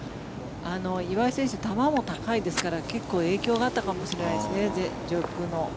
岩井選手球も高いですから結構影響があったかもしれないですね、上空の。